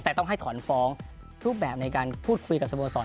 แต่ต้องให้ถอนฟ้องรูปแบบในการพูดคุยกับสโมสร